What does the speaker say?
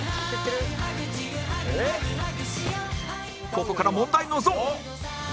ここから問題のゾーン